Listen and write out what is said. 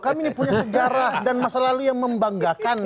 kami ini punya sejarah dan masa lalu yang membanggakan